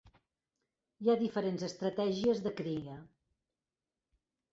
Hi ha diferents estratègies de cria.